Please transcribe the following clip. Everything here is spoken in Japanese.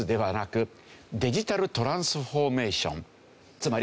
つまり。